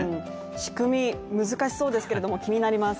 仕組み、難しそうですけれども気になります。